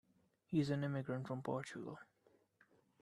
He's an immigrant from Portugal.